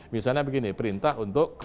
misalnya begini perintah untuk